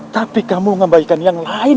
tapi kamu ngembalikan yang lain